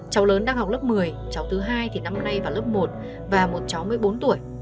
cháu lớn đang học lớp một mươi cháu thứ hai thì năm nay vào lớp một và một cháu một mươi bốn tuổi